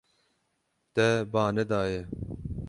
Te ba nedaye.